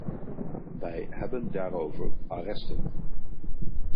Wij hebben daarover arresten.